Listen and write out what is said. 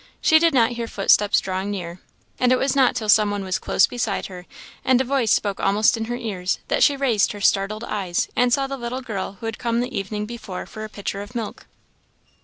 She did not hear footsteps drawing near, and it was not till some one was close beside her, and a voice spoke almost in her ears, that she raised her startled eyes and saw the little girl who had come the evening before for a pitcher of milk.